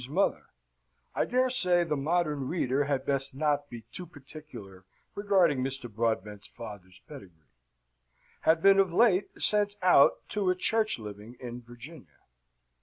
's mother I dare say the modern reader had best not be too particular regarding Mr. Broadbent's father's pedigree), had been of late sent out to a church living in Virginia.